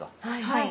はい。